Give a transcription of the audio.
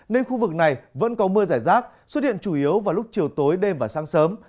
nên khu vực này vẫn có mưa rải rác xuất hiện chủ yếu vào lúc chiều tối đêm và sáng sớm